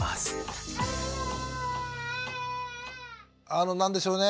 あの何でしょうね